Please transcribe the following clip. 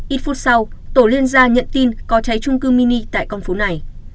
ít phút sau tổ liên gia nhận tin có cháy trung cư mini tại con phố này